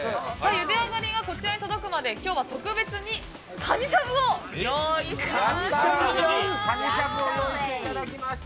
ゆで上がりがこちらに届くまで今日は特別にカニしゃぶを用意しました。